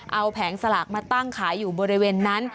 เอาแผงสลากมาตั้งขายอยู่บริเวณนั้น